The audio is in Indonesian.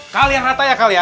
kalian rata ya kali ya